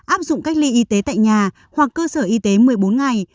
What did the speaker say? áp dụng cách ly y tế tại nhà hoặc cơ sở y tế một mươi bốn ngày